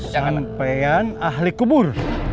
sampaian ahli kubur